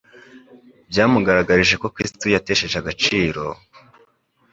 Byamugaragarije ko Kristo yitesheje agaciro,